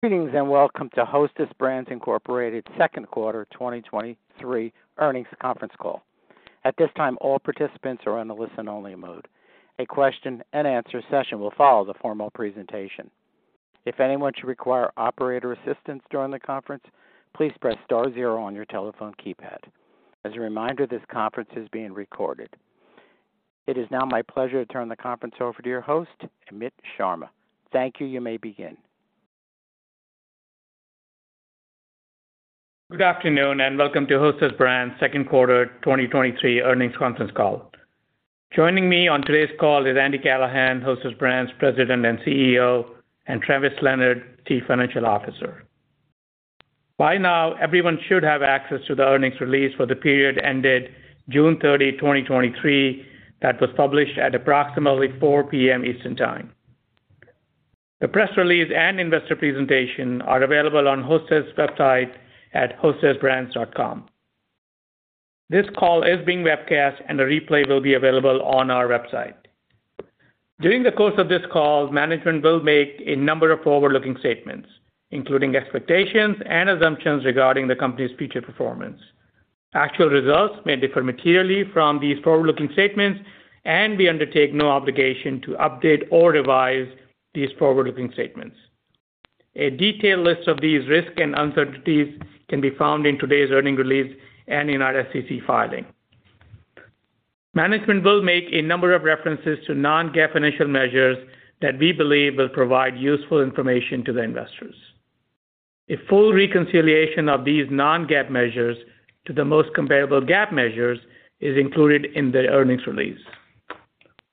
Greetings, welcome to Hostess Brands Incorporated Q2 2023 earnings conference call. At this time, all participants are in a listen-only mode. A Q&A session will follow the formal presentation. If anyone should require operator assistance during the conference, please press star zero on your telephone keypad. As a reminder, this conference is being recorded. It is now my pleasure to turn the conference over to your host, Amit Sharma. Thank you. You may begin. Good afternoon, welcome to Hostess Brands' Q2 2023 earnings conference call. Joining me on today's call is Andrew Callahan, Hostess Brands President and Chief Executive Officer, and Travis Leonard, Chief Financial Officer. By now, everyone should have access to the earnings release for the period ended June 30th, 2023, that was published at approximately 4:00 P.M. Eastern Time. The press release and investor presentation are available on Hostess' website at hostessbrands.com. This call is being webcast, and a replay will be available on our website. During the course of this call, management will make a number of forward-looking statements, including expectations and assumptions regarding the company's future performance. Actual results may differ materially from these forward-looking statements. We undertake no obligation to update or revise these forward-looking statements. A detailed list of these risks and uncertainties can be found in today's earnings release and in our SEC filing. Management will make a number of references to non-GAAP financial measures that we believe will provide useful information to the investors. A full reconciliation of these non-GAAP measures to the most comparable GAAP measures is included in the earnings release.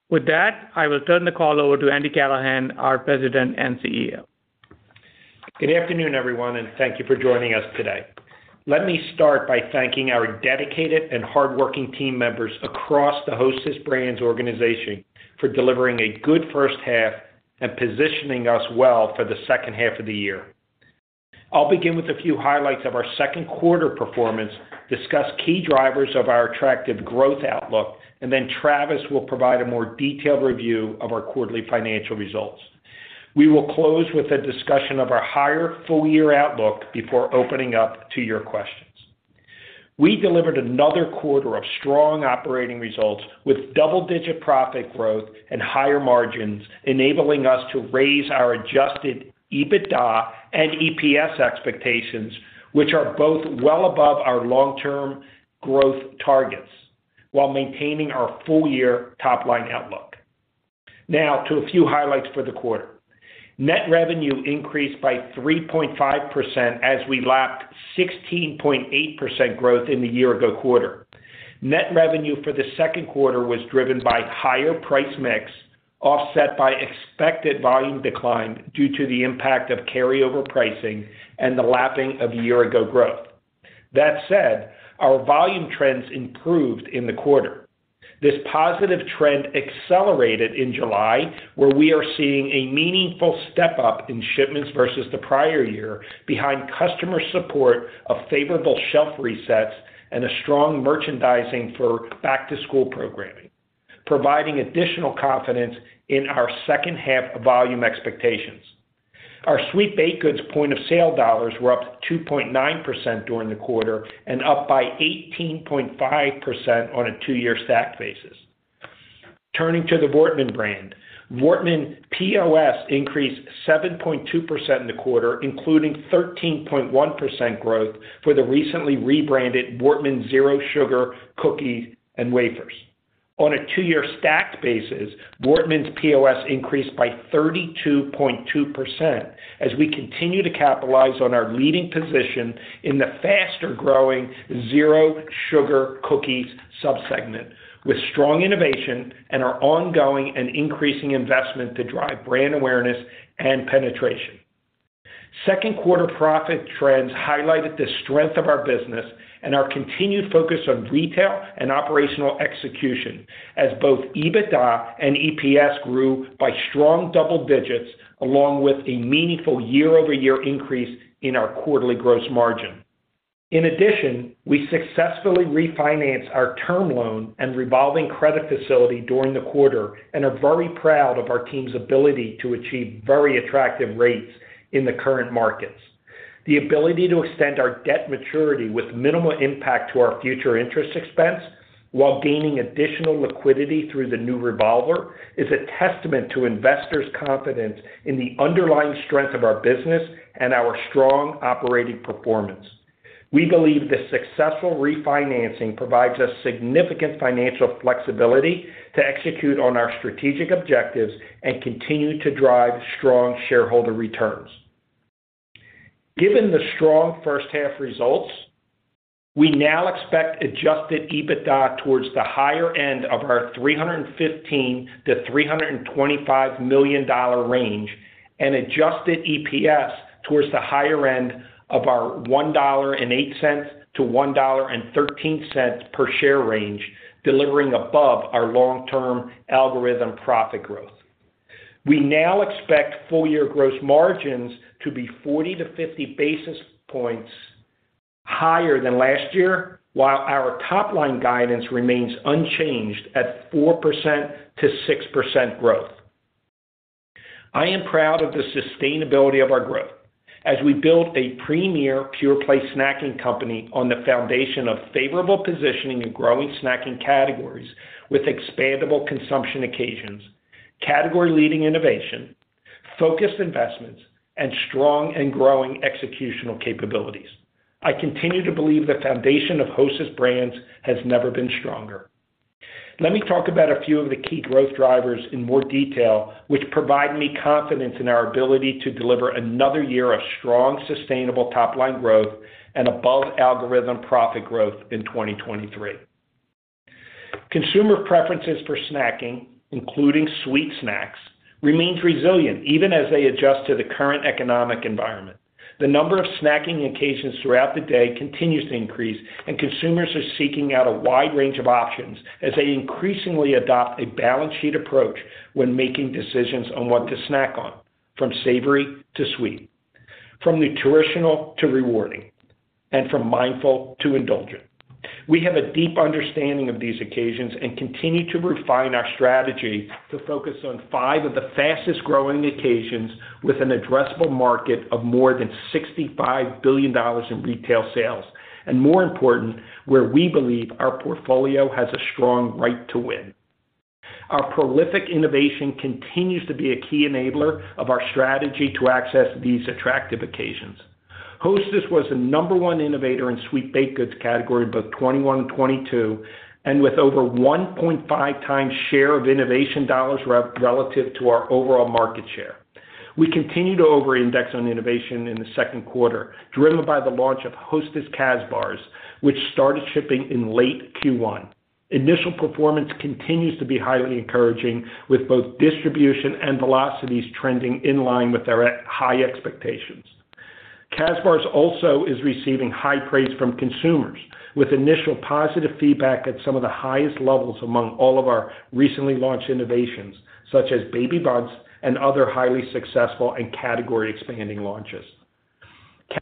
With that, I will turn the call over to Andrew Callahan, our President and CEO. Good afternoon, everyone, and thank you for joining us today. Let me start by thanking our dedicated and hardworking team members across the Hostess Brands organization for delivering a good first half and positioning us well for the second half of the year. I'll begin with a few highlights of our Q2 performance, discuss key drivers of our attractive growth outlook, and then Travis will provide a more detailed review of our quarterly financial results. We will close with a discussion of our higher full-year outlook before opening up to your questions. We delivered another quarter of strong operating results, with double-digit profit growth and higher margins, enabling us to raise our adjusted EBITDA and EPS expectations, which are both well above our long-term growth targets, while maintaining our full-year top-line outlook. To a few highlights for the quarter. Net revenue increased by 3.5% as we lapped 16.8% growth in the year-ago quarter. Net revenue for the Q2 was driven by higher price mix, offset by expected volume decline due to the impact of carryover pricing and the lapping of year-ago growth. That said, our volume trends improved in the quarter. This positive trend accelerated in July, where we are seeing a meaningful step-up in shipments versus the prior year behind customer support of favorable shelf resets and a strong merchandising for back-to-school programming, providing additional confidence in our second half volume expectations. Our sweet baked goods point of sale dollars were up 2.9% during the quarter and up by 18.5% on a two-year stacked basis. Turning to the Voortman brand. Voortman POS increased 7.2% in the quarter, including 13.1% growth for the recently rebranded Voortman Zero Sugar Cookies and Wafers. On a two-year stacked basis, Voortman's POS increased by 32.2% as we continue to capitalize on our leading position in the faster-growing zero sugar cookies sub-segment, with strong innovation and our ongoing and increasing investment to drive brand awareness and penetration. Q2 profit trends highlighted the strength of our business and our continued focus on retail and operational execution, as both EBITDA and EPS grew by strong double digits, along with a meaningful year-over-year increase in our quarterly gross margin. In addition, we successfully refinanced our term loan and revolving credit facility during the quarter and are very proud of our team's ability to achieve very attractive rates in the current markets. The ability to extend our debt maturity with minimal impact to our future interest expense, while gaining additional liquidity through the new revolver, is a testament to investors' confidence in the underlying strength of our business and our strong operating performance. We believe this successful refinancing provides us significant financial flexibility to execute on our strategic objectives and continue to drive strong shareholder returns. Given the strong first half results, we now expect Adjusted EBITDA towards the higher end of our $315 million to 325 million range, and Adjusted EPS towards the higher end of our $1.08 to 1.13 per share range, delivering above our long-term algorithm profit growth. We now expect full-year gross margins to be 40 to 50 basis points. higher than last year, while our top line guidance remains unchanged at 4% to 6% growth. I am proud of the sustainability of our growth as we build a premier pure play snacking company on the foundation of favorable positioning and growing snacking categories with expandable consumption occasions, category leading innovation, focused investments, and strong and growing executional capabilities. I continue to believe the foundation of Hostess Brands has never been stronger. Let me talk about a few of the key growth drivers in more detail, which provide me confidence in our ability to deliver another year of strong, sustainable top line growth and above algorithm profit growth in 2023. Consumer preferences for snacking, including sweet snacks, remains resilient even as they adjust to the current economic environment. The number of snacking occasions throughout the day continues to increase. Consumers are seeking out a wide range of options as they increasingly adopt a balance sheet approach when making decisions on what to snack on, from savory to sweet, from nutritional to rewarding, and from mindful to indulgent. We have a deep understanding of these occasions and continue to refine our strategy to focus on five of the fastest growing occasions, with an addressable market of more than $65 billion in retail sales. More important, where we believe our portfolio has a strong right to win. Our prolific innovation continues to be a key enabler of our strategy to access these attractive occasions. Hostess was the number one innovator in Sweet Baked Goods category in both 2021 and 2022. With over 1.5x share of innovation dollars relative to our overall market share. We continue to overindex on innovation in the Q2, driven by the launch of Hostess Kazbars, which started shipping in late Q1. Initial performance continues to be highly encouraging, with both distribution and velocities trending in line with our high expectations. Kazbars also is receiving high praise from consumers, with initial positive feedback at some of the highest levels among all of our recently launched innovations, such as Baby Bundts and other highly successful and category expanding launches.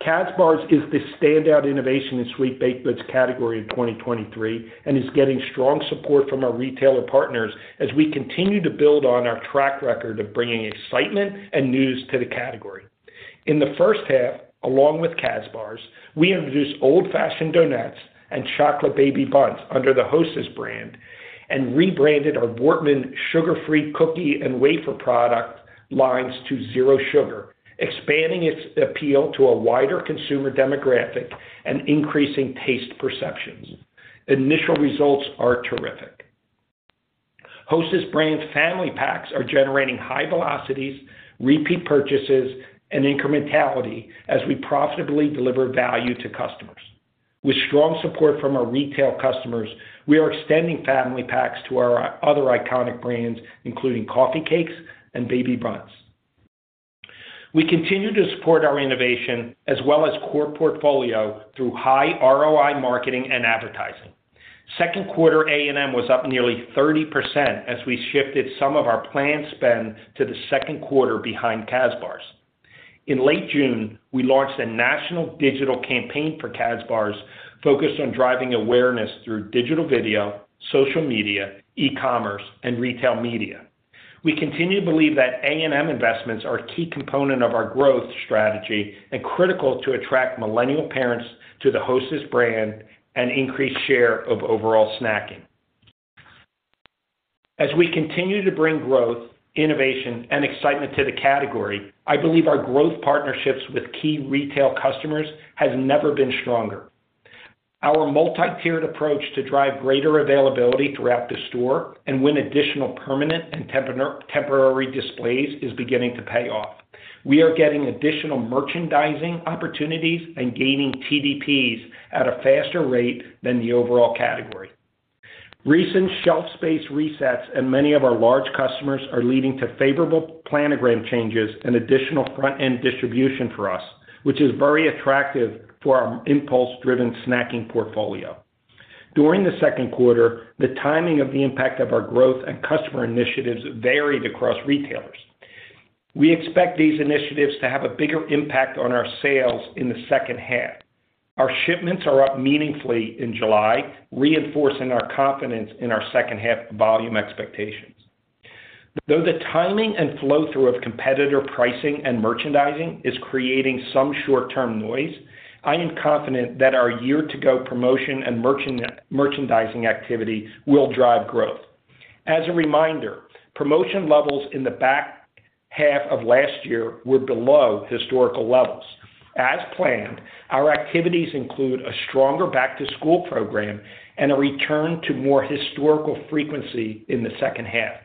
Kazbars is the standout innovation in Sweet Baked Goods category in 2023, and is getting strong support from our retailer partners as we continue to build on our track record of bringing excitement and news to the category. In the first half, along with Kazbars, we introduced Old Fashioned Donettes and chocolate Baby Bundts under the Hostess brand and rebranded our Voortman sugar-free cookie and wafer product lines to Zero Sugar, expanding its appeal to a wider consumer demographic and increasing taste perceptions. Initial results are terrific. Hostess Brands Family Packs are generating high velocities, repeat purchases, and incrementality as we profitably deliver value to customers. With strong support from our retail customers, we are extending Family Packs to our other iconic brands, including Coffee Cakes and Baby Bundts. We continue to support our innovation as well as core portfolio through high ROI, marketing and advertising. Q2 A&M was up nearly 30% as we shifted some of our planned spend to the Q2 behind Kazbars. In late June, we launched a national digital campaign for Kazbars, focused on driving awareness through digital video, social media, e-commerce, and retail media. We continue to believe that A&M investments are a key component of our growth strategy and critical to attract millennial parents to the Hostess brand and increase share of overall snacking. As we continue to bring growth, innovation, and excitement to the category, I believe our growth partnerships with key retail customers has never been stronger. Our multi-tiered approach to drive greater availability throughout the store and win additional permanent and temporary displays is beginning to pay off. We are getting additional merchandising opportunities and gaining TDPs at a faster rate than the overall category. Recent shelf space resets, and many of our large customers are leading to favorable planogram changes and additional front-end distribution for us, which is very attractive for our impulse-driven snacking portfolio. During the Q2, the timing of the impact of our growth and customer initiatives varied across retailers. We expect these initiatives to have a bigger impact on our sales in the second half. Our shipments are up meaningfully in July, reinforcing our confidence in our second half volume expectations. Though the timing and flow-through of competitor pricing and merchandising is creating some short-term noise, I am confident that our year to go promotion and merchandising activity will drive growth. As a reminder, promotion levels in the back half of last year were below historical levels. As planned, our activities include a stronger back to school program and a return to more historical frequency in the second half.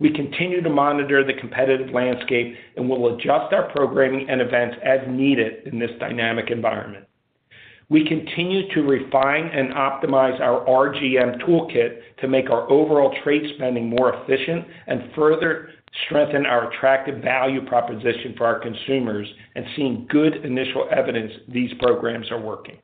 We continue to monitor the competitive landscape and will adjust our programming and events as needed in this dynamic environment. We continue to refine and optimize our RGM toolkit to make our overall trade spending more efficient and further strengthen our attractive value proposition for our consumers and seeing good initial evidence these programs are working.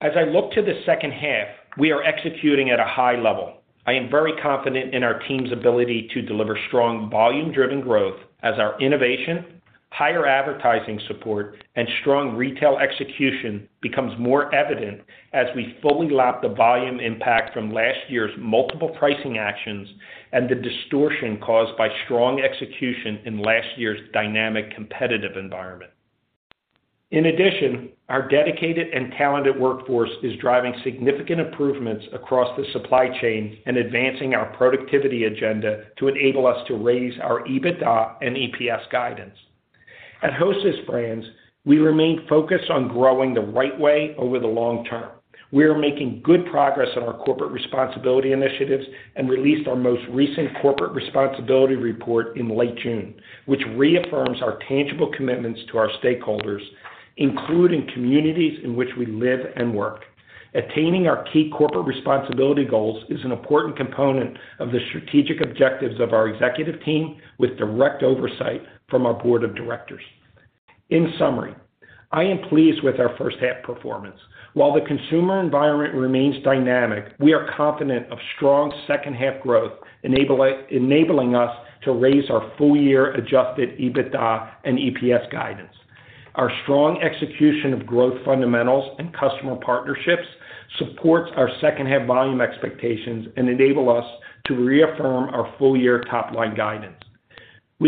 As I look to the second half, we are executing at a high level. I am very confident in our team's ability to deliver strong volume-driven growth as our innovation, higher advertising support, and strong retail execution becomes more evident as we fully lap the volume impact from last year's multiple pricing actions and the distortion caused by strong execution in last year's dynamic competitive environment. In addition, our dedicated and talented workforce is driving significant improvements across the supply chain and advancing our productivity agenda to enable us to raise our EBITDA and EPS guidance. At Hostess Brands, we remain focused on growing the right way over the long term. We are making good progress on our corporate responsibility initiatives and released our most recent corporate responsibility report in late June, which reaffirms our tangible commitments to our stakeholders, including communities in which we live and work. Attaining our key corporate responsibility goals is an important component of the strategic objectives of our executive team, with direct oversight from our board of directors. In summary, I am pleased with our first half performance. While the consumer environment remains dynamic, we are confident of strong second half growth, enabling, enabling us to raise our full year Adjusted EBITDA and EPS guidance. Our strong execution of growth fundamentals and customer partnerships supports our second half volume expectations and enable us to reaffirm our full-year top-line guidance.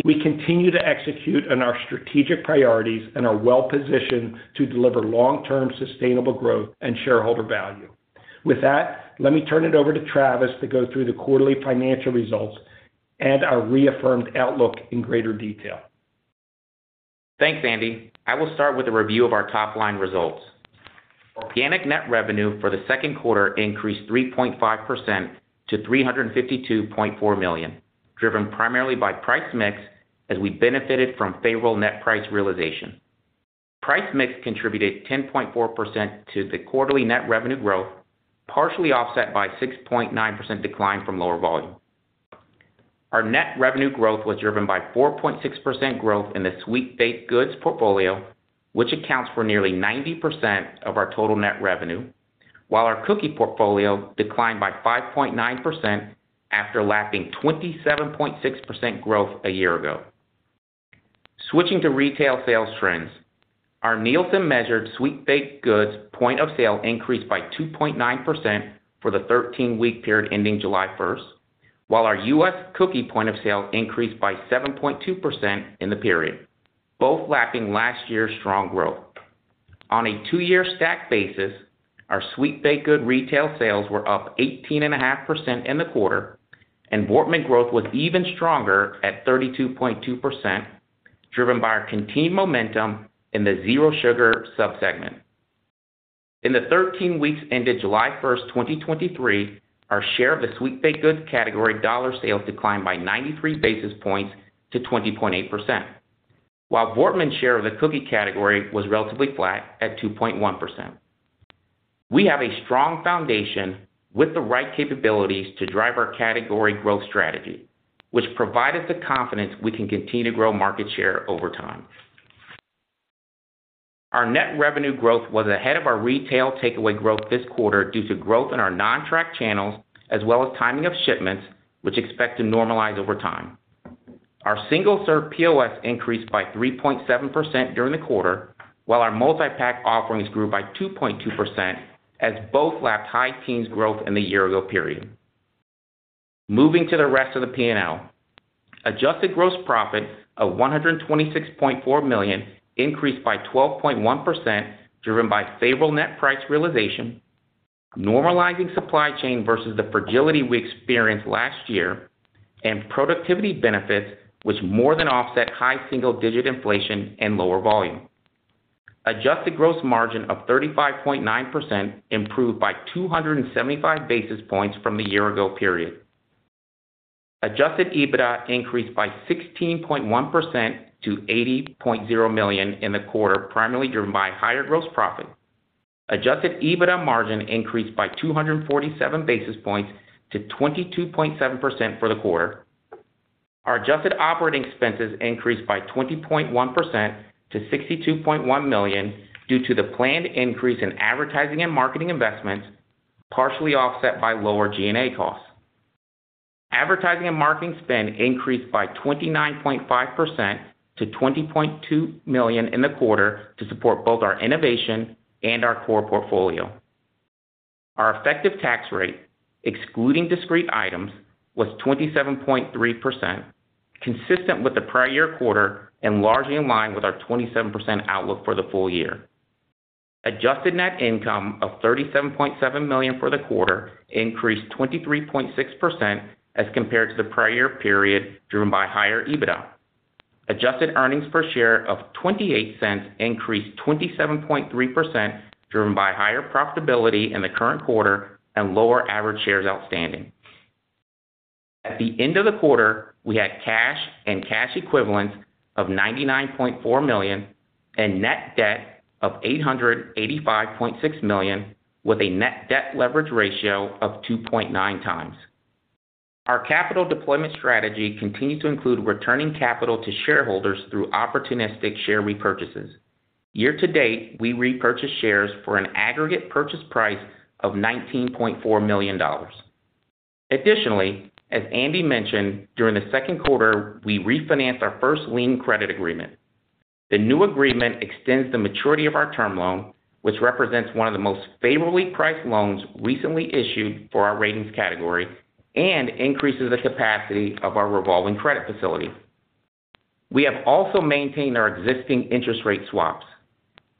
We continue to execute on our strategic priorities and are well-positioned to deliver long-term sustainable growth and shareholder value. With that, let me turn it over to Travis to go through the quarterly financial results and our reaffirmed outlook in greater detail. Thanks, Andy. I will start with a review of our top-line results. Organic net revenue for the Q2 increased 3.5% to $352.4 million, driven primarily by price mix, as we benefited from favorable net price realization. Price mix contributed 10.4% to the quarterly net revenue growth, partially offset by 6.9% decline from lower volume. Our net revenue growth was driven by 4.6% growth in the Sweet Baked Goods portfolio, which accounts for nearly 90% of our total net revenue, while our cookie portfolio declined by 5.9% after lapping 27.6% growth a year ago. Switching to retail sales trends, our Nielsen-measured Sweet Baked Goods POS increased by 2.9% for the 13-week period ending July 1st, while our U.S. cookie POS increased by 7.2% in the period, both lapping last year's strong growth. On a two-year stack basis, our Sweet Baked Goods retail sales were up 18.5% in the quarter, and Voortman growth was even stronger at 32.2%, driven by our continued momentum in the zero sugar subsegment. In the 13 weeks ended July 1st, 2023, our share of the Sweet Baked Goods category dollar sales declined by 93 basis points to 20.8%, while Voortman's share of the cookie category was relatively flat at 2.1%. We have a strong foundation with the right capabilities to drive our category growth strategy, which provide us the confidence we can continue to grow market share over time. Our net revenue growth was ahead of our retail takeaway growth this quarter due to growth in our non-track channels, as well as timing of shipments, which expect to normalize over time. Our single-serve POS increased by 3.7% during the quarter, while our multi-pack offerings grew by 2.2%, as both lapped high teens growth in the year ago period. Moving to the rest of the P&L. Adjusted gross profit of $126.4 million increased by 12.1%, driven by favorable net price realization, normalizing supply chain versus the fragility we experienced last year, and productivity benefits, which more than offset high single-digit inflation and lower volume. Adjusted gross margin of 35.9% improved by 275 basis points from the year ago period. Adjusted EBITDA increased by 16.1% to $80.0 million in the quarter, primarily driven by higher gross profit. Adjusted EBITDA margin increased by 247 basis points to 22.7% for the quarter. Our adjusted operating expenses increased by 20.1% to $62.1 million due to the planned increase in advertising and marketing investments, partially offset by lower G&A costs. Advertising and marketing spend increased by 29.5% to $20.2 million in the quarter to support both our innovation and our core portfolio. Our effective tax rate, excluding discrete items, was 27.3%, consistent with the prior-year quarter and largely in line with our 27% outlook for the full year. Adjusted net income of $37.7 million for the quarter increased 23.6% as compared to the prior period, driven by higher EBITDA. Adjusted earnings per share of $0.28 increased 27.3%, driven by higher profitability in the current quarter and lower average shares outstanding. At the end of the quarter, we had cash and cash equivalents of $99.4 million and net debt of $885.6 million, with a net debt leverage ratio of 2.9x. Our capital deployment strategy continues to include returning capital to shareholders through opportunistic share repurchases. Year to date, we repurchased shares for an aggregate purchase price of $19.4 million. Additionally, as Andy mentioned, during the Q2, we refinanced our first lien credit agreement. The new agreement extends the maturity of our term loan, which represents one of the most favorably priced loans recently issued for our ratings category and increases the capacity of our revolving credit facility. We have also maintained our existing interest rate swaps.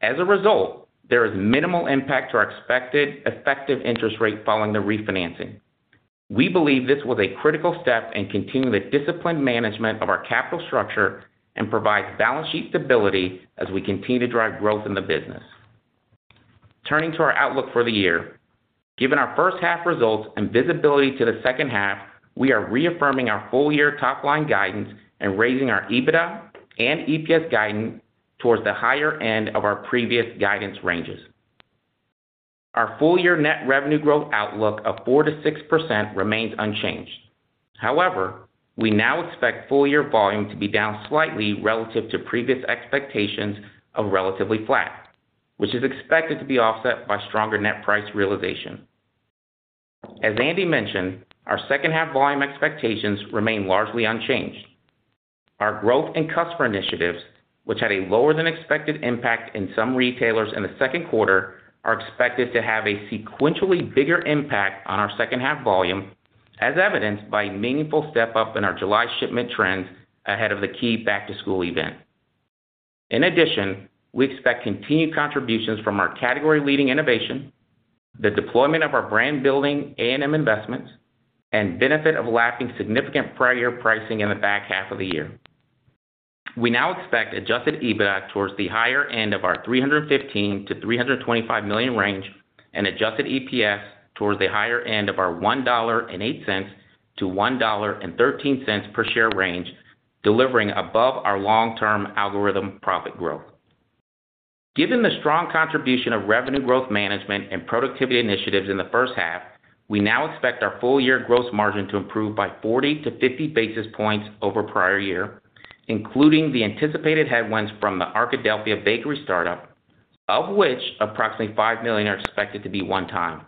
As a result, there is minimal impact to our expected effective interest rate following the refinancing. We believe this was a critical step in continuing the disciplined management of our capital structure and provides balance sheet stability as we continue to drive growth in the business. Turning to our outlook for the year. Given our first half results and visibility to the second half, we are reaffirming our full-year top-line guidance and raising our EBITDA and EPS guidance towards the higher end of our previous guidance ranges. Our full-year net revenue growth outlook of 4% to 6% remains unchanged. We now expect full-year volume to be down slightly relative to previous expectations of relatively flat, which is expected to be offset by stronger net price realization. As Andy mentioned, our second half volume expectations remain largely unchanged. Our growth and customer initiatives, which had a lower than expected impact in some retailers in the Q2, are expected to have a sequentially bigger impact on our second half volume, as evidenced by a meaningful step-up in our July shipment trends ahead of the key back-to-school event. In addition, we expect continued contributions from our category-leading innovation, the deployment of our brand-building A&M investments, and benefit of lacking significant prior pricing in the back half of the year. We now expect adjusted EBITDA towards the higher end of our $315 million to 325 million range, and adjusted EPS towards the higher end of our $1.08 to 1.13 per share range, delivering above our long-term algorithm profit growth. Given the strong contribution of Revenue Growth Management and productivity initiatives in the first half, we now expect our full-year growth margin to improve by 40 to 50 basis points over prior year, including the anticipated headwinds from the Arkadelphia bakery startup, of which approximately $5 million are expected to be one time.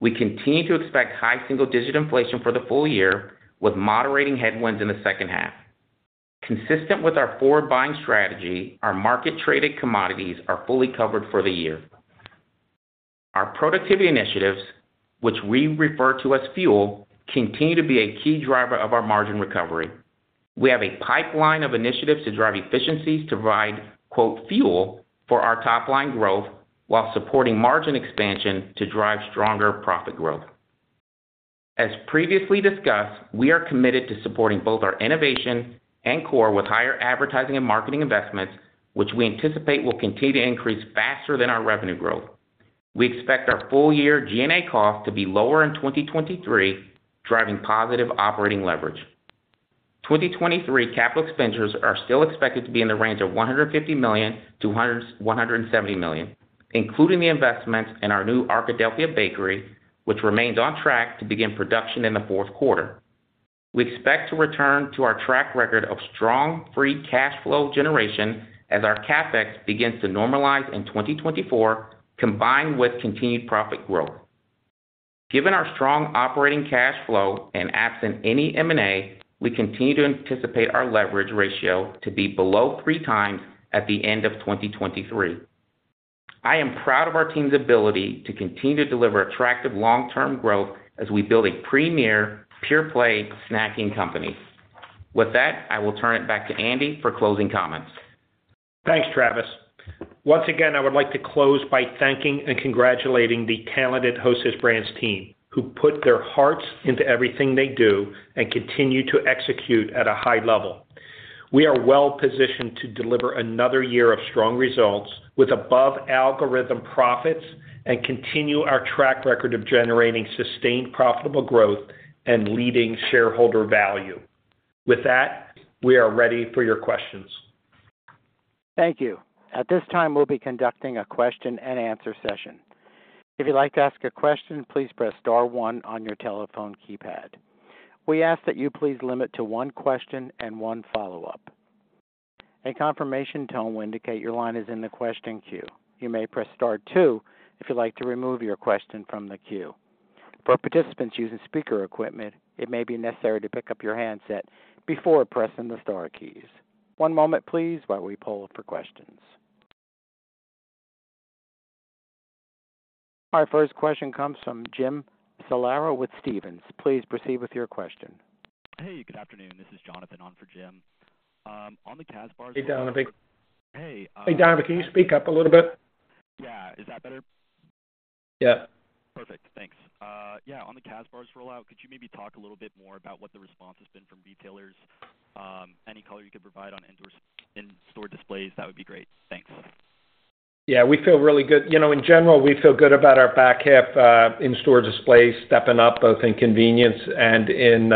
We continue to expect high single-digit inflation for the full year, with moderating headwinds in the second half. Consistent with our forward buying strategy, our market-traded commodities are fully covered for the year. Our productivity initiatives, which we refer to as FUEL, continue to be a key driver of our margin recovery. We have a pipeline of initiatives to drive efficiencies to provide, quote, FUEL for our top line growth while supporting margin expansion to drive stronger profit growth. As previously discussed, we are committed to supporting both our innovation and core with higher advertising and marketing investments, which we anticipate will continue to increase faster than our revenue growth. We expect our full-year G&A cost to be lower in 2023, driving positive operating leverage. 2023 capital expenditures are still expected to be in the range of $150 million to 170 million, including the investments in our new Arkadelphia bakery, which remains on track to begin production in the Q4. We expect to return to our track record of strong free cash flow generation as our CapEx begins to normalize in 2024, combined with continued profit growth. Given our strong operating cash flow and absent any M&A, we continue to anticipate our leverage ratio to be below 3x at the end of 2023. I am proud of our team's ability to continue to deliver attractive long-term growth as we build a premier, pure-play snacking company. With that, I will turn it back to Andy for closing comments. Thanks, Travis. Once again, I would like to close by thanking and congratulating the talented Hostess Brands team, who put their hearts into everything they do and continue to execute at a high level. We are well positioned to deliver another year of strong results with above algorithm profits and continue our track record of generating sustained, profitable growth and leading shareholder value. With that, we are ready for your questions. Thank you. At this time, we'll be conducting a Q&A session. If you'd like to ask a question, please press star 1 on your telephone keypad. We ask that you please limit to one question and one follow-up. A confirmation tone will indicate your line is in the question queue. You may press star two if you'd like to remove your question from the queue. For participants using speaker equipment, it may be necessary to pick up your handset before pressing the star keys. One moment please while we poll for questions. Our first question comes from Jim Salera with Stephens. Please proceed with your question. Hey, good afternoon. This is Jonathan on for Jim. on the Kazbars- Hey, Jonathan. Hey. Hey, Jonathan, can you speak up a little bit? Yeah. Is that better? Yeah. Perfect. Thanks. Yeah, on the Kazbars rollout, could you maybe talk a little bit more about what the response has been from retailers? Any color you could provide on indoors, in-store displays, that would be great. Thanks. Yeah, we feel really good. You know, in general, we feel good about our back half, in-store displays stepping up both in convenience and in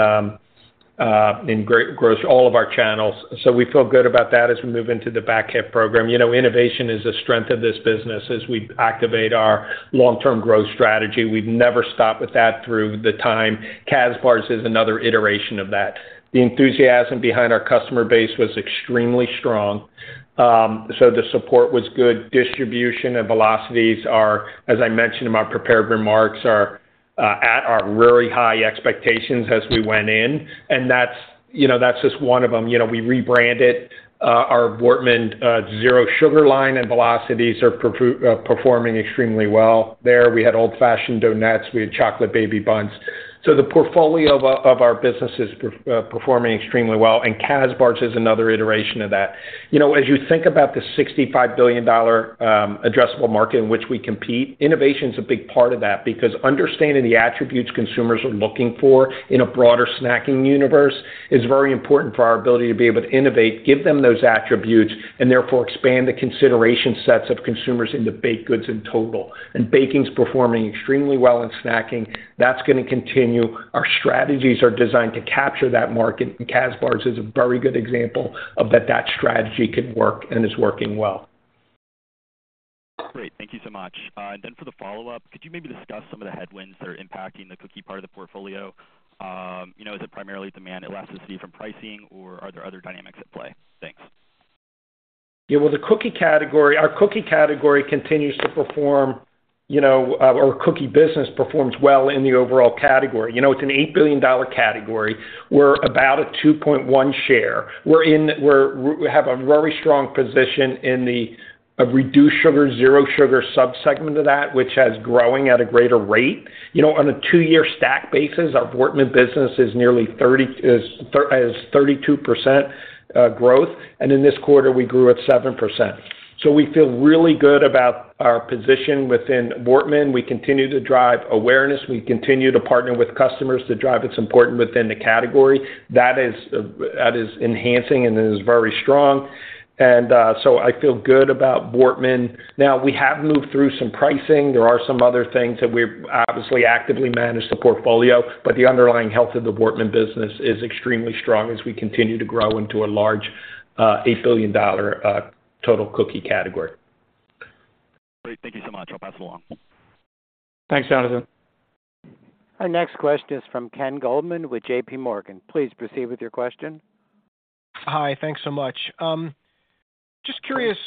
grocery, all of our channels. We feel good about that as we move into the back half program. You know, innovation is a strength of this business as we activate our long-term growth strategy. We've never stopped with that through the time. Kazbars is another iteration of that. The enthusiasm behind our customer base was extremely strong, so the support was good. Distribution and velocities are, as I mentioned in my prepared remarks, are at our very high expectations as we went in, and that's, you know, that's just one of them. You know, we rebranded our Voortman Zero Sugar line, and velocities are performing extremely well. There, we had Old Fashioned donuts. We had Chocolate Baby Bundts. The portfolio of our business is performing extremely well, and Kazbars is another iteration of that. You know, as you think about the $65 billion addressable market in which we compete, innovation is a big part of that because understanding the attributes consumers are looking for in a broader snacking universe is very important for our ability to be able to innovate, give them those attributes, and therefore expand the consideration sets of consumers into baked goods in total. Baking is performing extremely well in snacking. That's gonna continue. Our strategies are designed to capture that market, and Kazbars is a very good example of that, that strategy can work and is working well. Great, thank you so much. For the follow-up, could you maybe discuss some of the headwinds that are impacting the cookie part of the portfolio? You know, is it primarily demand elasticity from pricing, or are there other dynamics at play? Thanks. Yeah, well, the cookie category, our cookie category continues to perform, you know, our cookie business performs well in the overall category. You know, it's an $8 billion category. We're about a 2.1 share. We're, we have a very strong position in the reduced sugar, zero sugar subsegment of that, which has growing at a greater rate. You know, on a two-year stack basis, our Voortman business is nearly 30%, is 32% growth, and in this quarter, we grew at 7%. We feel really good about our position within Voortman. We continue to drive awareness. We continue to partner with customers to drive what's important within the category. That is, that is enhancing and is very strong. I feel good about Voortman. We have moved through some pricing. There are some other things that we obviously actively manage the portfolio, but the underlying health of the Voortman business is extremely strong as we continue to grow into a large, $8 billion total cookie category. Great, thank you so much. I'll pass it along. Thanks, Jonathan. Our next question is from Kenneth Goldman with JPMorgan. Please proceed with your question. Hi, thanks so much. Just curious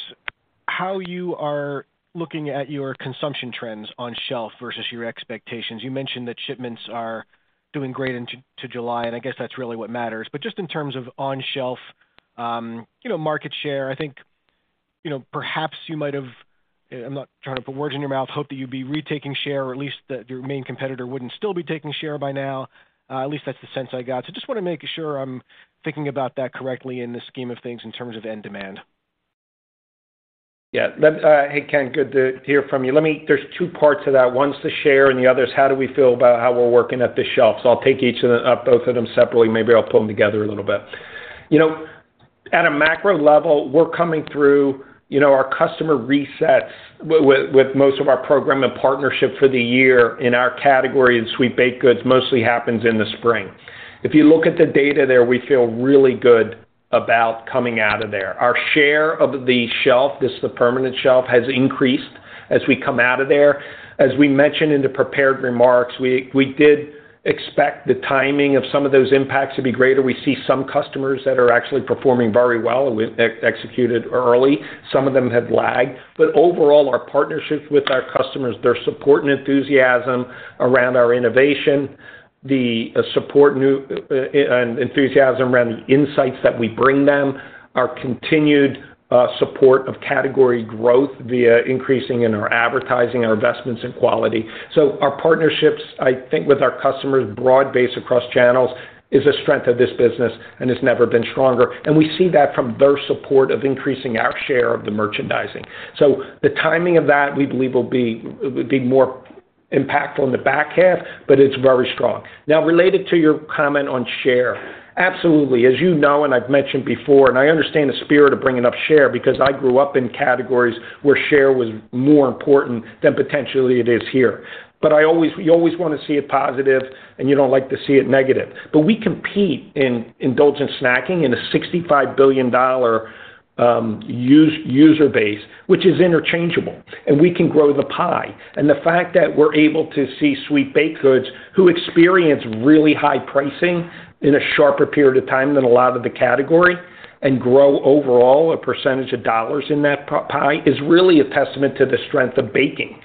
how you are looking at your consumption trends on shelf versus your expectations. You mentioned that shipments are doing great into July, I guess that's really what matters. Just in terms of on-shelf, you know, market share, I think, you know, perhaps you might have, I'm not trying to put words in your mouth, hope that you'd be retaking share, or at least that your main competitor wouldn't still be taking share by now. At least that's the sense I got. Just want to make sure I'm thinking about that correctly in the scheme of things in terms of end demand. Yeah. Hey, Ken, good to hear from you. There's two parts to that. One's the share, and the other is how do we feel about how we're working at the shelf? I'll take each of both of them separately, maybe I'll pull them together a little bit. You know, at a macro level, we're coming through, you know, our customer resets with, with, with most of our program and partnership for the year in our category, and Sweet Baked Goods mostly happens in the spring. If you look at the data there, we feel really good about coming out of there. Our share of the shelf, this is the permanent shelf, has increased as we come out of there. As we mentioned in the prepared remarks, we, we did expect the timing of some of those impacts to be greater. We see some customers that are actually performing very well and we ex-executed early. Some of them have lagged, but overall, our partnerships with our customers, their support and enthusiasm around our innovation, the support new and enthusiasm around the insights that we bring them, our continued support of category growth via increasing in our advertising, our investments in quality. Our partnerships, I think, with our customers, broad-based across channels, is a strength of this business and has never been stronger. We see that from their support of increasing our share of the merchandising. The timing of that, we believe, will be more impactful in the back half, but it's very strong. Related to your comment on share, absolutely. As you know, and I've mentioned before, and I understand the spirit of bringing up share because I grew up in categories where share was more important than potentially it is here. I always. You always want to see it positive, and you don't like to see it negative. We compete in indulgent snacking in a $65 billion use- user base, which is interchangeable, and we can grow the pie. The fact that we're able to see Sweet Baked Goods, who experience really high pricing in a sharper period of time than a lot of the category, and grow overall a percentage of dollars in that p- pie, is really a testament to the strength of baking,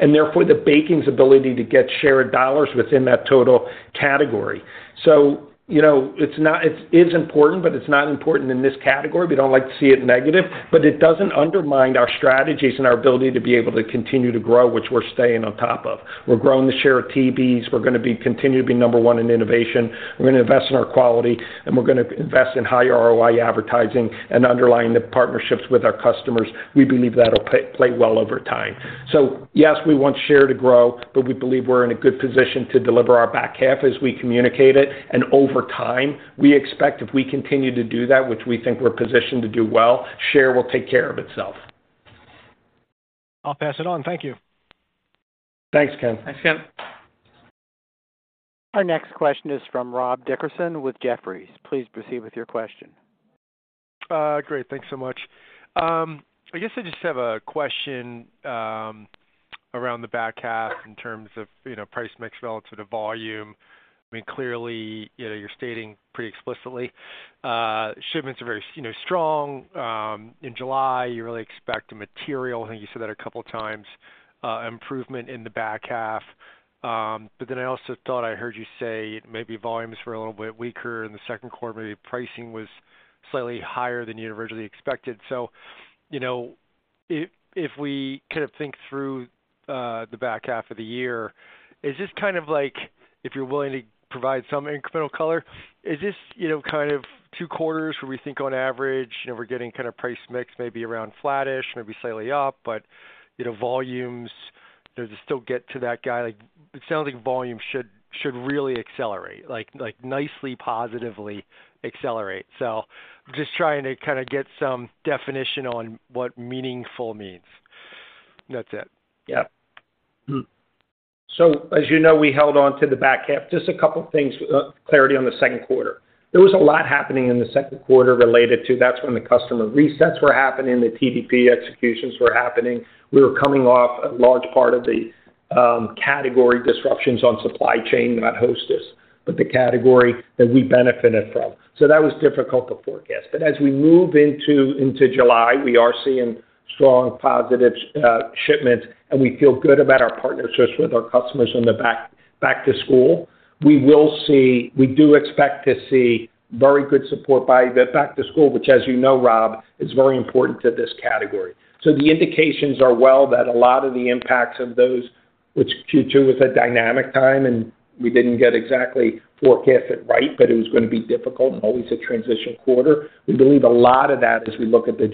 and therefore the baking's ability to get shared dollars within that total category. You know, it's not. It is important, but it's not important in this category. We don't like to see it negative, but it doesn't undermine our strategies and our ability to be able to continue to grow, which we're staying on top of. We're growing the share of TDPs. We're going to be number one in innovation. We're going to invest in our quality, and we're going to invest in high ROI advertising and underlying the partnerships with our customers. We believe that'll play well over time. Yes, we want share to grow, but we believe we're in a good position to deliver our back half as we communicate it. Over time, we expect if we continue to do that, which we think we're positioned to do well, share will take care of itself. I'll pass it on. Thank you. Thanks, Ken. Thanks, Ken. Our next question is from Robert Dickerson with Jefferies. Please proceed with your question. Great. Thanks so much. I guess I just have a question, around the back half in terms of, you know, price mix relative to volume. I mean, clearly, you know, you're stating pretty explicitly, shipments are very, you know, strong. In July, you really expect the material. I think you said that a couple of times, improvement in the back half. Then I also thought I heard you say maybe volumes were a little bit weaker in the Q2, maybe pricing was slightly higher than you originally expected. You know, if, if we kind of think through, the back half of the year, is this kind of like, if you're willing to provide some incremental color, is this, you know, kind of two quarters where we think on average, you know, we're getting kind of price mix, maybe around flattish, maybe slightly up, but, you know, volumes, does it still get to that guy? Like, it sounds like volume should, should really accelerate, like, like, nicely, positively accelerate. Just trying to kind of get some definition on what meaningful means. That's it. Yeah. Hmm. As you know, we held on to the back half. Just a couple things, clarity on the Q2. There was a lot happening in the Q2 related to that's when the customer resets were happening, the TDP executions were happening. We were coming off a large part of the category disruptions on supply chain, not Hostess, but the category that we benefited from. That was difficult to forecast. As we move into, into July, we are seeing strong, positive shipments, and we feel good about our partnerships with our customers in the back, back to school. We do expect to see very good support by the back to school, which, as you know, Rob, is very important to this category. The indications are well that a lot of the impacts of those, which Q2 was a dynamic time, and we didn't get exactly forecasted right, but it was going to be difficult and always a transition quarter. We believe a lot of that as we look at the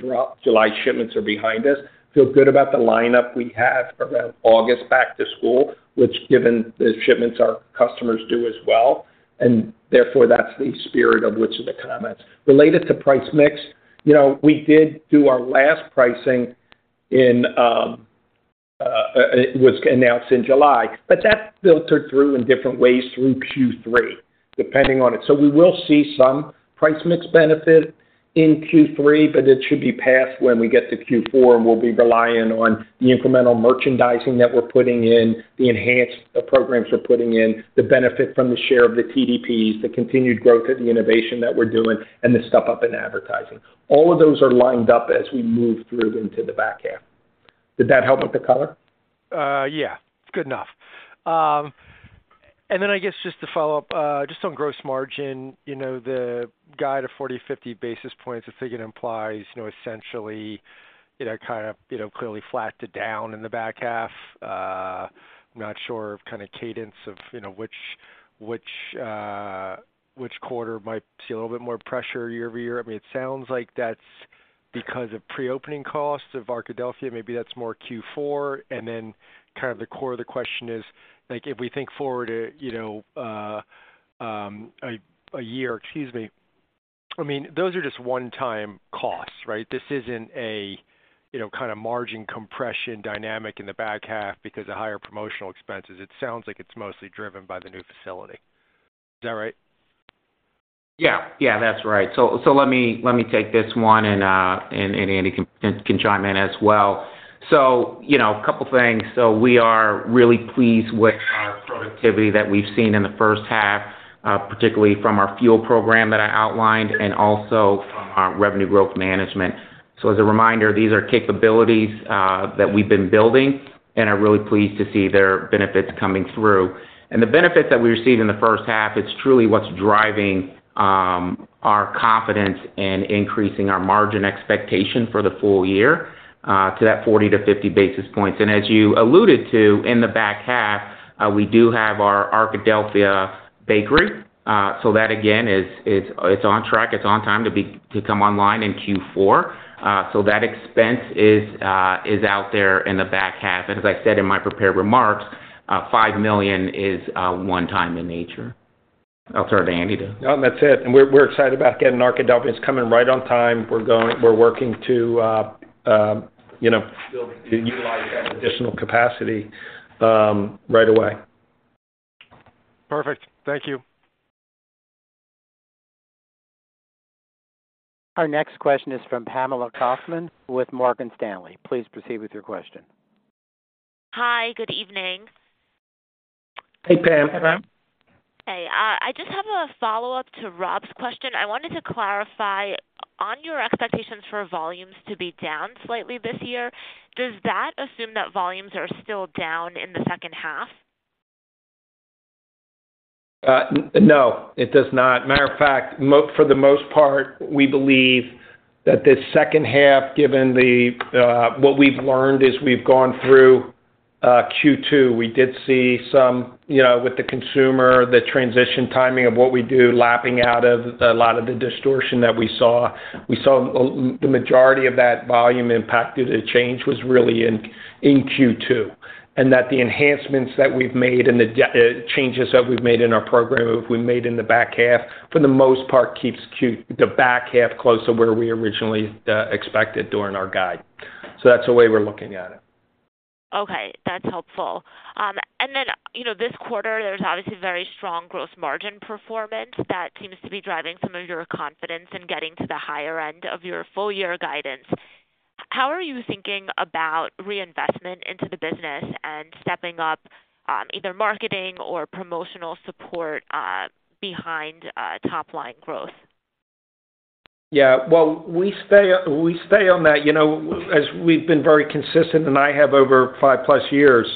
July shipments are behind us. Feel good about the lineup we have around August back-to-school, which given the shipments our customers do as well, and therefore that's the spirit of which of the comments. Related to price mix, you know, we did do our last pricing in, it was announced in July, but that filtered through in different ways through Q3, depending on it. We will see some price mix benefit in Q3, but it should be passed when we get to Q4, and we'll be relying on the incremental merchandising that we're putting in, the enhanced programs we're putting in, the benefit from the share of the TDPs, the continued growth and the innovation that we're doing, and the step up in advertising. All of those are lined up as we move through into the back half. Did that help with the color? Yeah, good enough. Then I guess just to follow up, just on gross margin, you know, the guide of 40 to 50 basis points, I figure it implies, you know, essentially, it kind of, you know, clearly flat to down in the back half. I'm not sure of kind of cadence of, you know, which, which quarter might see a little bit more pressure year-over-year. I mean, it sounds like that's because of pre-opening costs of Arkadelphia, maybe that's more Q4. Then kind of the core of the question is, like, if we think forward to, you know, a year, excuse me, I mean, those are just one-time costs, right? This isn't a, you know, kind of margin compression dynamic in the back half because of higher promotional expenses. It sounds like it's mostly driven by the new facility. Is that right? Yeah. Yeah, that's right. Let me, let me take this one, and, and Andy can, can chime in as well. You know, a couple of things. We are really pleased with our productivity that we've seen in the first half, particularly from our FUEL program that I outlined and also from our Revenue Growth Management. As a reminder, these are capabilities that we've been building and are really pleased to see their benefits coming through. The benefits that we received in the first half, it's truly what's driving our confidence in increasing our margin expectation for the full year, to that 40 to 50 basis points. As you alluded to in the back half, we do have our Arkadelphia bakery. So that, again, it's on track, it's on time to come online in Q4. So that expense is out there in the back half. As I said in my prepared remarks, $5 million is one time in nature. I'll turn to Andy to, Oh, that's it. We're, we're excited about getting Arkadelphia. It's coming right on time. We're working to, you know, build, to utilize that additional capacity, right away. Perfect. Thank you. Our next question is from Pamela Kaufman with Morgan Stanley. Please proceed with your question. Hi, good evening. Hey, Pam. Hey, Pam. Hey, I just have a follow-up to Rob's question. I wanted to clarify on your expectations for volumes to be down slightly this year, does that assume that volumes are still down in the second half? No, it does not. Matter of fact, for the most part, we believe that this second half, given the what we've learned as we've gone through Q2, we did see some, you know, with the consumer, the transition timing of what we do, lapping out of a lot of the distortion that we saw. We saw the majority of that volume impacted, the change was really in, in Q2. And that the enhancements that we've made and the changes that we've made in our program, we made in the back half, for the most part, keeps the back half close to where we originally expected during our guide. That's the way we're looking at it. That's helpful. You know, this quarter, there's obviously very strong gross margin performance that seems to be driving some of your confidence in getting to the higher end of your full year guidance. How are you thinking about reinvestment into the business and stepping up either marketing or promotional support behind top-line growth? Yeah, well, we stay, we stay on that, you know, as we've been very consistent, and I have over 5+ years,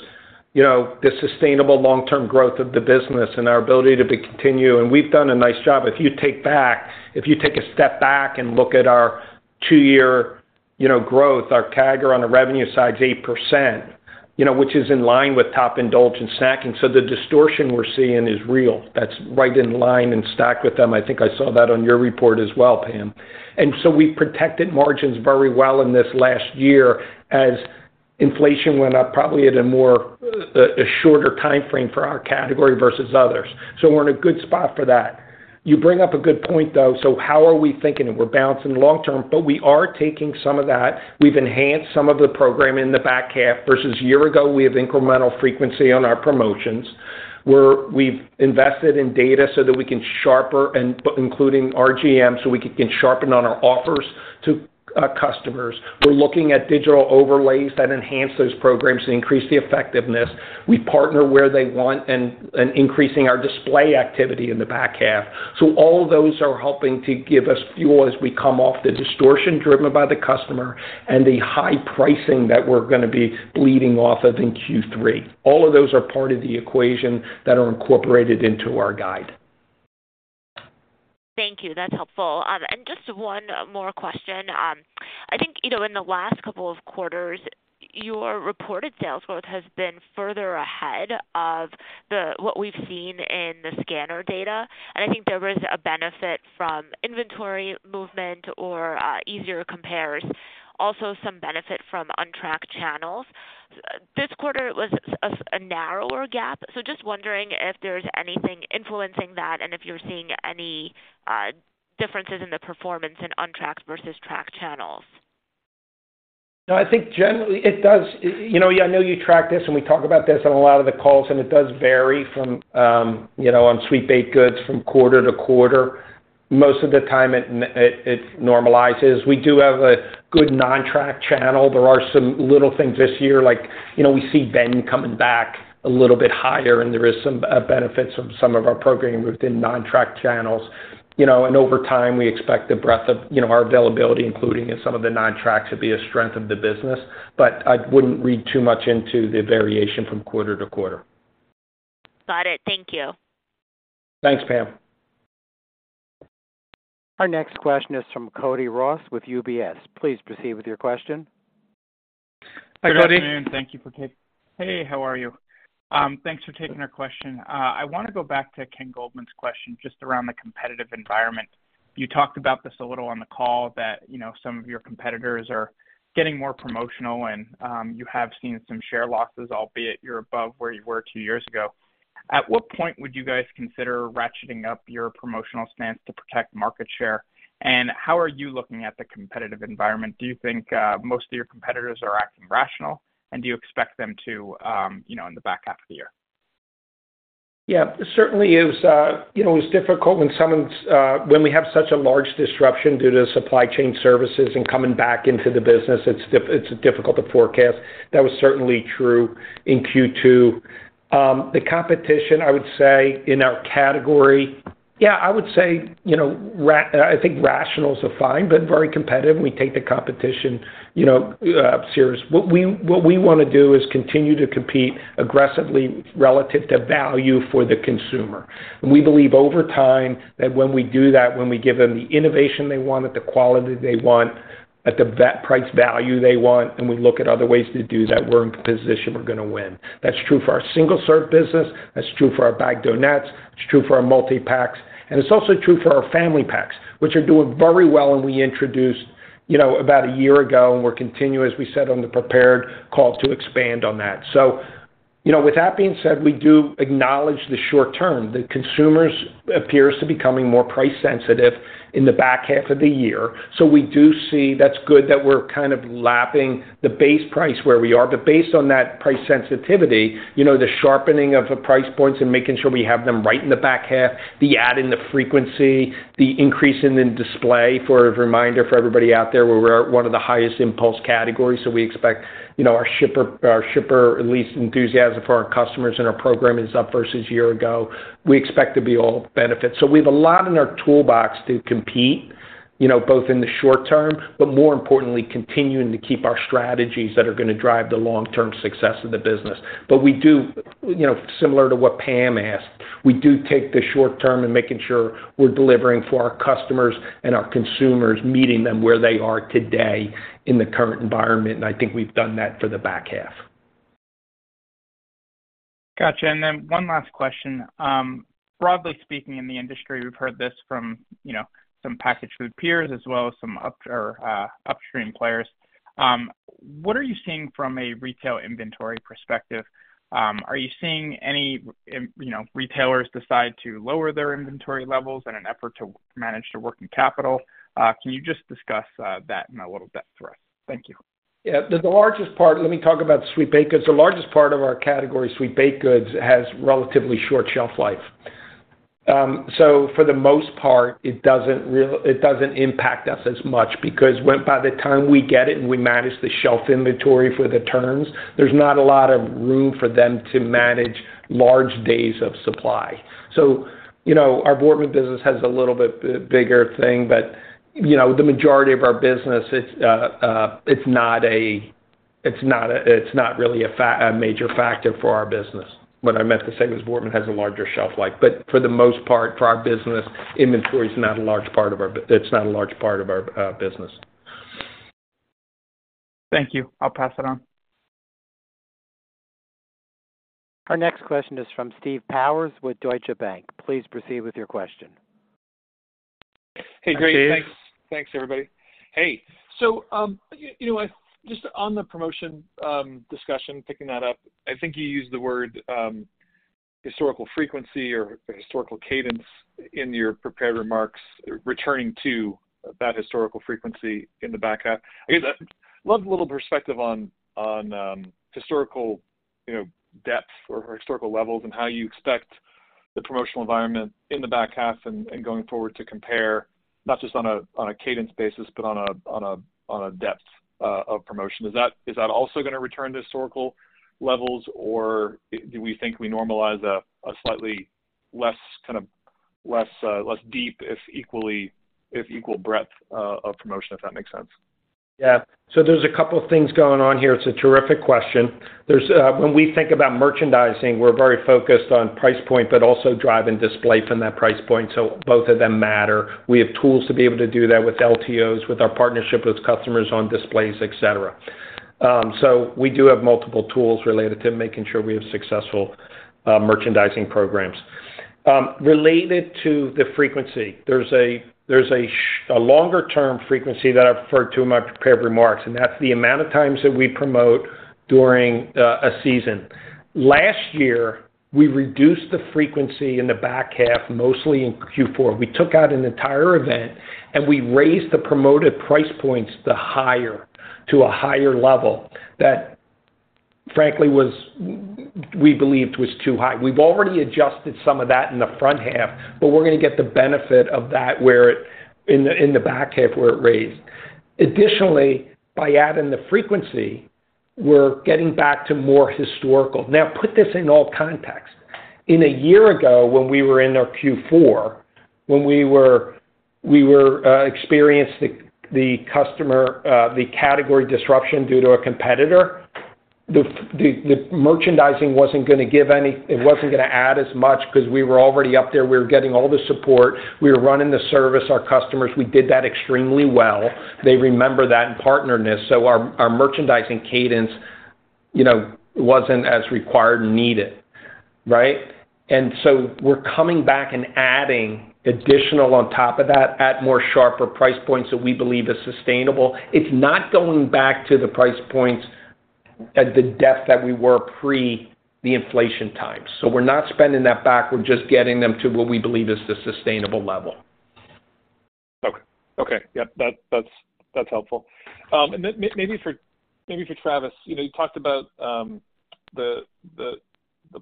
you know, the sustainable long-term growth of the business and our ability to be continue. We've done a nice job. If you take a step back and look at our two-year, you know, growth, our CAGR on the revenue side is 8%, you know, which is in line with top indulgence snacking. The distortion we're seeing is real. That's right in line and stacked with them. I think I saw that on your report as well, Pam. We protected margins very well in this last year as inflation went up, probably at a more, a shorter timeframe for our category versus others. We're in a good spot for that. You bring up a good point, though. How are we thinking? We're balancing long term, but we are taking some of that. We've enhanced some of the program in the back half versus a year ago. We have incremental frequency on our promotions, where we've invested in data so that we can sharper and including RGM, so we can sharpen on our offers to customers. We're looking at digital overlays that enhance those programs to increase the effectiveness. We partner where they want and increasing our display activity in the back half. All of those are helping to give us fuel as we come off the distortion driven by the customer and the high pricing that we're gonna be leading off of in Q3. All of those are part of the equation that are incorporated into our guide. Thank you. That's helpful. Just one more question. I think, you know, in the last couple of quarters, your reported sales growth has been further ahead of what we've seen in the scanner data. I think there was a benefit from inventory movement or easier compares, also some benefit from untracked channels. This quarter, it was a, a narrower gap. Just wondering if there's anything influencing that and if you're seeing any differences in the performance in untracked versus tracked channels. No, I think generally it does. You know, I know you track this, and we talk about this on a lot of the calls, and it does vary from, you know, on Sweet Baked Goods from quarter to quarter. Most of the time, it, it, it normalizes. We do have a good nontracked channel. There are some little things this year like, you know, we see vending coming back a little bit higher, and there is some benefits from some of our programming within nontracked channels. Over time, we expect the breadth of, you know, our availability, including in some of the nontracked, to be a strength of the business. I wouldn't read too much into the variation from quarter to quarter. Got it. Thank you. Thanks, Pam. Our next question is from Cody Ross with UBS. Please proceed with your question. Hi, Cody. Good afternoon. Thank you for taking. Hey, how are you? Thanks for taking our question. I wanna go back to Kenneth Goldman's question, just around the competitive environment. You talked about this a little on the call, that, you know, some of your competitors are getting more promotional and, you have seen some share losses, albeit you're above where you were two years ago. At what point would you guys consider ratcheting up your promotional stance to protect market share? How are you looking at the competitive environment? Do you think, most of your competitors are acting rational, and do you expect them to, you know, in the back half of the year? Yeah, certainly is, you know, it's difficult when someone's when we have such a large disruption due to supply chain services and coming back into the business, it's difficult to forecast. That was certainly true in Q2. The competition, I would say, in our category. Yeah, I would say, you know, I think rationals are fine, but very competitive, and we take the competition, you know, serious. What we, what we wanna do is continue to compete aggressively relative to value for the consumer. We believe over time, that when we do that, when we give them the innovation they want, at the quality they want, at the price value they want, and we look at other ways to do that, we're in a position we're gonna win. That's true for our single-serve business, that's true for our bagged donuts, it's true for our multi-packs, and it's also true for our Family Packs, which are doing very well, and we introduced, you know, about a year ago, and we're continuous, we said on the prepared call to expand on that. You know, with that being said, we do acknowledge the short term. The consumers appears to be becoming more price sensitive in the back half of the year. We do see that's good that we're kind of lapping the base price where we are, but based on that price sensitivity, you know, the sharpening of the price points and making sure we have them right in the back half, the add in the frequency, the increase in the display. For a reminder for everybody out there, we're one of the highest impulse categories, we expect, you know, our shipper, our shipper, at least enthusiasm for our customers and our programming is up versus a year ago. We expect to be all benefit. We've a lot in our toolbox to compete, you know, both in the short term, but more importantly, continuing to keep our strategies that are gonna drive the long-term success of the business. We do, you know, similar to what Pam asked, we do take the short term and making sure we're delivering for our customers and our consumers, meeting them where they are today in the current environment, and I think we've done that for the back half. Gotcha. Then one last question. Broadly speaking, in the industry, we've heard this from, you know, some packaged food peers as well as some upstream players. What are you seeing from a retail inventory perspective? Are you seeing any, you know, retailers decide to lower their inventory levels in an effort to manage their working capital? Can you just discuss that in a little depth for us? Thank you. Yeah. The largest part, let me talk about Sweet Baked Goods. The largest part of our category, Sweet Baked Goods, has relatively short shelf life. For the most part, it doesn't really impact us as much because when by the time we get it and we manage the shelf inventory for the turns, there's not a lot of room for them to manage large days of supply. You know, our Voortman business has a little bit bigger thing, but, you know, the majority of our business, it's not really a major factor for our business. What I meant to say was Voortman has a larger shelf life, but for the most part, for our business, inventory is not a large part of our, it's not a large part of our business. Thank you. I'll pass it on. Our next question is from Stephen Powers with Deutsche Bank. Please proceed with your question. Hey, great. Thanks. Thanks, everybody. Hey, you know what? Just on the promotion discussion, picking that up, I think you used the word historical frequency or historical cadence in your prepared remarks, returning to that historical frequency in the back half. I guess I'd love a little perspective on historical, you know, depth or historical levels and how you expect the promotional environment in the back half and going forward to compare, not just on a cadence basis, but on a depth of promotion. Is that also gonna return to historical levels, or do we think we normalize a slightly less kind of less, less deep, if equally, if equal breadth of promotion, if that makes sense? Yeah. There's a couple of things going on here. It's a terrific question. When we think about merchandising, we're very focused on price point, but also drive and display from that price point, so both of them matter. We have tools to be able to do that with LTOs, with our partnership, with customers on displays, et cetera. We do have multiple tools related to making sure we have successful merchandising programs. Related to the frequency, there's a, there's a a longer-term frequency that I referred to in my prepared remarks, and that's the amount of times that we promote during a season. Last year, we reduced the frequency in the back half, mostly in Q4. We took out an entire event. We raised the promoted price points the higher, to a higher level, that frankly, was, we believed was too high. We've already adjusted some of that in the front half, but we're gonna get the benefit of that where in the, in the back half, where it raised. Additionally, by adding the frequency, we're getting back to more historical. Now, put this in all context. In a year ago, when we were in our Q4, when we were, we were experienced the, the customer, the category disruption due to a competitor, the, the merchandising wasn't gonna give it wasn't gonna add as much because we were already up there. We were getting all the support. We were running the service, our customers, we did that extremely well. They remember that in partneredness, so our, our merchandising cadence, you know, wasn't as required and needed, right? We're coming back and adding additional on top of that, at more sharper price points that we believe is sustainable. It's not going back to the price points at the depth that we were pre the inflation times. We're not spending that back. We're just getting them to what we believe is the sustainable level. Okay. Okay, yep, that, that's, that's helpful. Travis, you know, you talked about the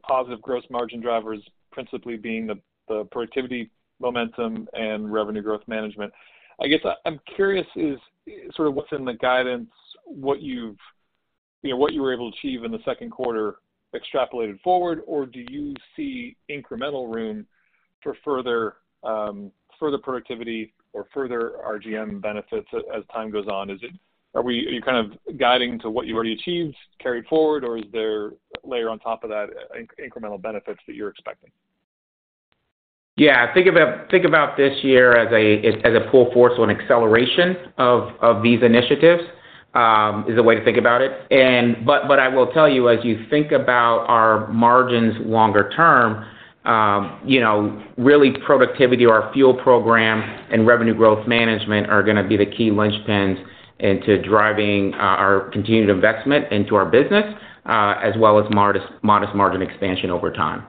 positive gross margin drivers principally being the productivity, momentum, and Revenue Growth Management. I guess I, I'm curious, is sort of what's in the guidance, what you've, you know, what you were able to achieve in the Q2 extrapolated forward, or do you see incremental room for further, further productivity or further RGM benefits as time goes on? Are you kind of guiding to what you've already achieved, carried forward, or is there a layer on top of that incremental benefits that you're expecting? Yeah, think about, think about this year as a, as, as a full force on acceleration of, of these initiatives, is a way to think about it. I will tell you, as you think about our margins longer term, you know, really productivity, our FUEL program, and Revenue Growth Management are gonna be the key linchpins into driving our continued investment into our business, as well as modest, modest margin expansion over time.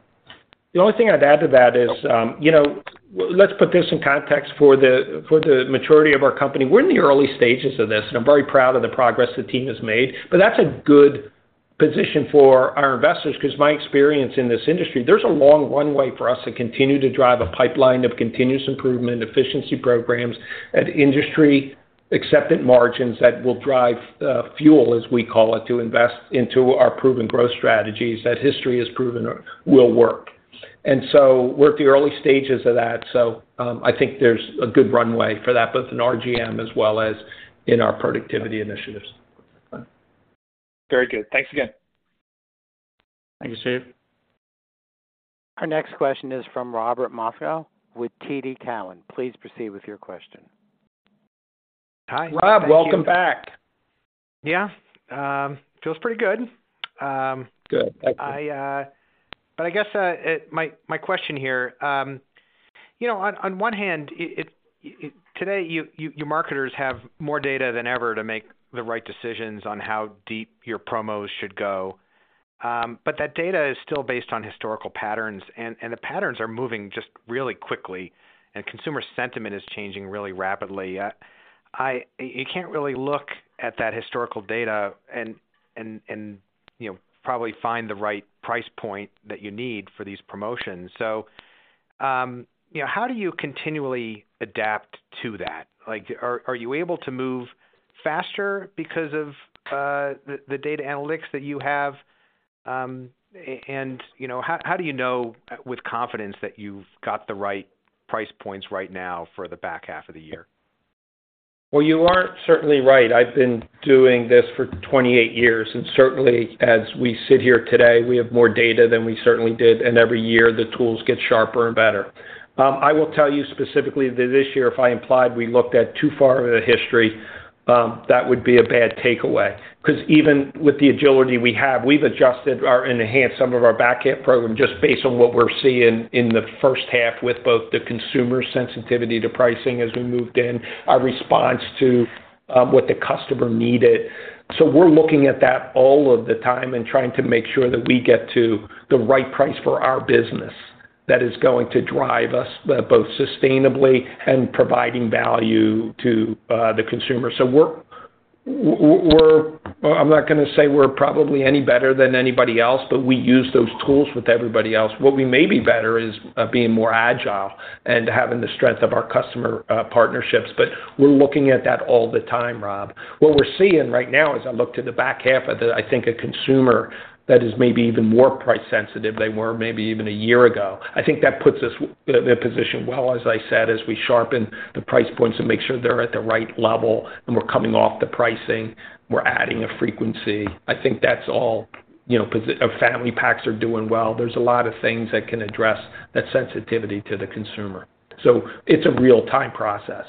The only thing I'd add to that is, you know, let's put this in context for the, for the maturity of our company. We're in the early stages of this, I'm very proud of the progress the team has made, but that's a good position for our investors because my experience in this industry, there's a long runway for us to continue to drive a pipeline of continuous improvement, efficiency programs, and industry accepted margins that will drive FUEL, as we call it, to invest into our proven growth strategies that history has proven will work. We're at the early stages of that, so, I think there's a good runway for that, both in RGM as well as in our productivity initiatives. Very good. Thanks again. Thank you, Steve. Our next question is from Robert Moskow with TD Cowen. Please proceed with your question. Hi. Rob, welcome back. Yeah, feels pretty good. Good, thank you. I, I guess, my question here, you know, on one hand, today, marketers have more data than ever to make the right decisions on how deep your promos should go. That data is still based on historical patterns, and the patterns are moving just really quickly, and consumer sentiment is changing really rapidly. I, you can't really look at that historical data and, you know, probably find the right price point that you need for these promotions. Yeah, how do you continually adapt to that? Like, are you able to move faster because of the data analytics that you have? And, you know, how do you know with confidence that you've got the right price points right now for the back half of the year? Well, you are certainly right. I've been doing this for 28 years, and certainly, as we sit here today, we have more data than we certainly did, and every year, the tools get sharper and better. I will tell you specifically that this year, if I implied we looked at too far of a history, that would be a bad takeaway. Because even with the agility we have, we've adjusted or enhanced some of our back half program just based on what we're seeing in the first half with both the consumer sensitivity to pricing as we moved in, our response to what the customer needed. We're looking at that all of the time and trying to make sure that we get to the right price for our business that is going to drive us both sustainably and providing value to the consumer. I'm not gonna say we're probably any better than anybody else, but we use those tools with everybody else. What we may be better is being more agile and having the strength of our customer partnerships, but we're looking at that all the time, Rob. What we're seeing right now, as I look to the back half of the, I think, a consumer that is maybe even more price sensitive than they were maybe even a year ago. I think that puts us in a position well, as I said, as we sharpen the price points and make sure they're at the right level, and we're coming off the pricing, we're adding a frequency. I think that's all. You know, our Family Packs are doing well. There's a lot of things that can address that sensitivity to the consumer. It's a real-time process.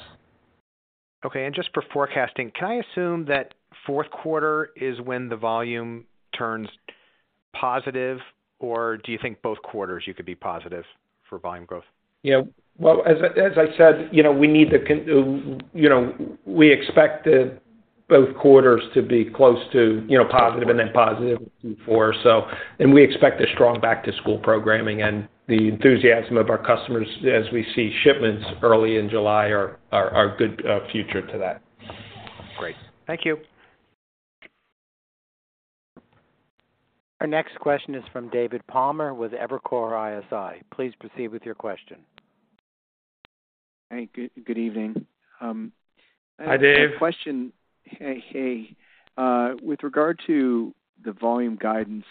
Okay, just for forecasting, can I assume that Q4 is when the volume turns positive, or do you think both quarters you could be positive for volume growth? Yeah, well, as I, as I said, you know, we need to, you know, we expect the both quarters to be close to, you know, positive and then positive before. We expect a strong back-to-school programming and the enthusiasm of our customers as we see shipments early in July are, are a good, future to that. Great. Thank you. Our next question is from David Palmer with Evercore ISI. Please proceed with your question. Hey, good, good evening. Hi, Dave. My question, hey, hey. With regard to the volume guidance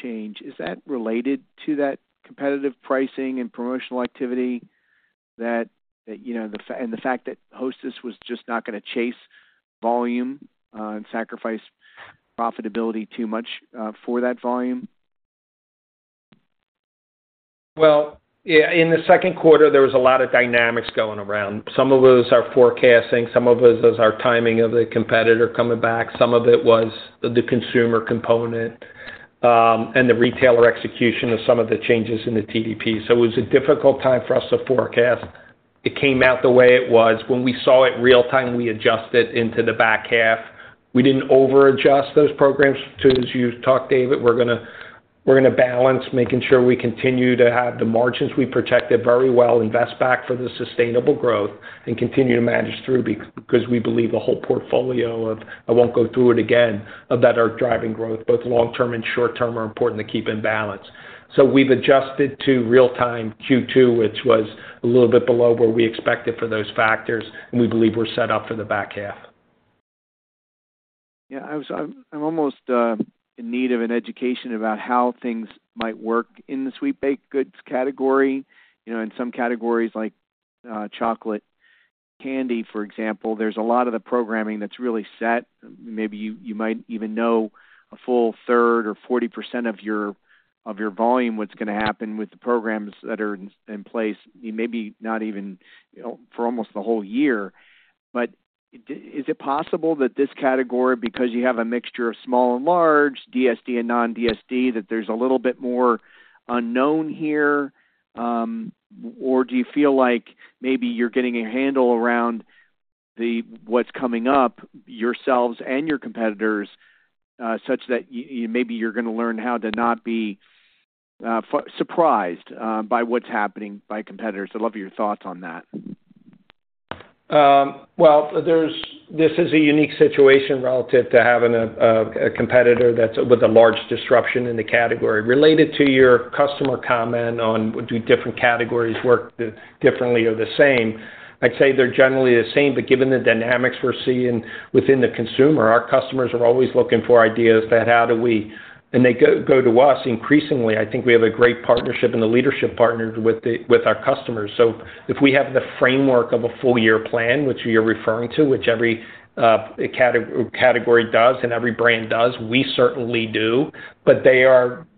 change, is that related to that competitive pricing and promotional activity that, that, you know, and the fact that Hostess was just not gonna chase volume, and sacrifice profitability too much, for that volume? Well, yeah, in the Q2, there was a lot of dynamics going around. Some of it was our forecasting, some of it was, was our timing of the competitor coming back, some of it was the consumer component, and the retailer execution of some of the changes in the TDP. It was a difficult time for us to forecast. It came out the way it was. When we saw it real-time, we adjusted into the back half. We didn't over-adjust those programs to, as you talked, David, we're gonna, we're gonna balance making sure we continue to have the margins. We protect it very well, invest back for the sustainable growth, and continue to manage through 'cause we believe the whole portfolio of, I won't go through it again, but that are driving growth, both long term and short term, are important to keep in balance. We've adjusted to real-time Q2, which was a little bit below where we expected for those factors, and we believe we're set up for the back half. Yeah, I was, I'm, I'm almost in need of an education about how things might work in the Sweet Baked Goods category. You know, in some categories like chocolate candy, for example, there's a lot of the programming that's really set. Maybe you, you might even know a full third or 40% of your, of your volume, what's gonna happen with the programs that are in, in place, maybe not even, you know, for almost the whole year. Is it possible that this category, because you have a mixture of small and large, DSD and non-DSD, that there's a little bit more unknown here? Or do you feel like maybe you're getting a handle around the, what's coming up, yourselves and your competitors, such that maybe you're gonna learn how to not be surprised by what's happening by competitors? I'd love your thoughts on that. Well, there's this is a unique situation relative to having a competitor that's, with a large disruption in the category. Related to your customer comment on do different categories work differently or the same, I'd say they're generally the same, but given the dynamics we're seeing within the consumer, our customers are always looking for ideas that how do we... They go to us increasingly. I think we have a great partnership and the leadership partners with our customers. If we have the framework of a full-year plan, which you're referring to, which every a category does and every brand does, we certainly do.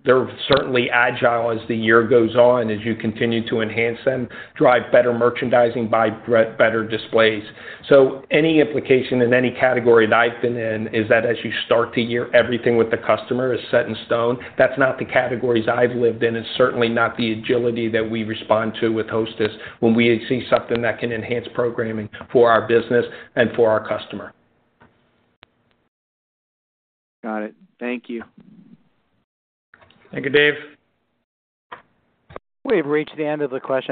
They're certainly agile as the year goes on, as you continue to enhance them, drive better merchandising, buy better displays. Any implication in any category that I've been in is that as you start the year, everything with the customer is set in stone. That's not the categories I've lived in, and certainly not the agility that we respond to with Hostess when we see something that can enhance programming for our business and for our customer. Got it. Thank you. Thank you, Dave. We've reached the end of the Q&A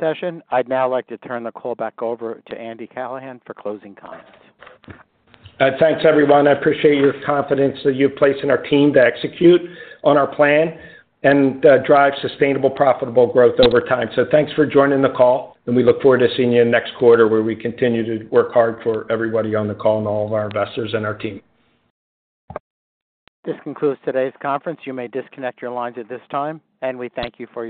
session. I'd now like to turn the call back over to Andrew Callahan for closing comments. Thanks, everyone. I appreciate your confidence that you place in our team to execute on our plan and drive sustainable, profitable growth over time. Thanks for joining the call, and we look forward to seeing you next quarter, where we continue to work hard for everybody on the call and all of our investors and our team. This concludes today's conference. You may disconnect your lines at this time, and we thank you for your participation.